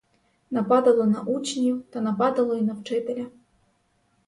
Нападало на учнів та нападало й на вчителя.